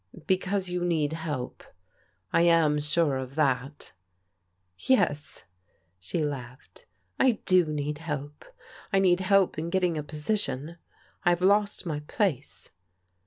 "" Because you need help. I am sure of that." " Yes," she laughed, " I do need help. I need help in getting a position. I have lost my place."